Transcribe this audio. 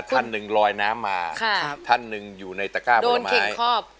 ท่านหนึ่งลอยน้ำมาท่านหนึ่งอยู่ในตะก้าผลไม้ครับ